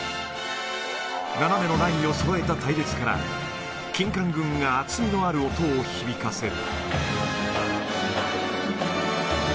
斜めのラインをそろえた隊列から、金管群が厚みのある音を響かせる。